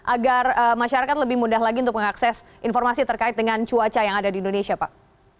agar masyarakat lebih mudah lagi untuk mengakses informasi terkait dengan cuaca yang ada di indonesia pak